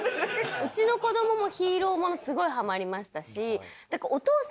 うちの子供もヒーローものすごいハマりましたし。